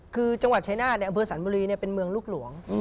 คือจังหวัดชายนาฏในอำเภอสรรบุรีเป็นเมืองลูกหลวง